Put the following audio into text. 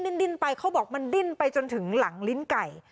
ดิ้นไปเขาบอกมันดิ้นไปจนถึงหลังลิ้นไก่